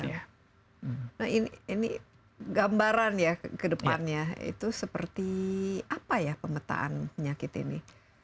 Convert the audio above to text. nah ini gambaran ya ke depannya itu seperti apa ya pemetaan penyakit ini